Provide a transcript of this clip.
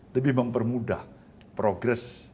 lebih mempermudah progres